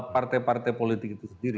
partai partai politik itu sendiri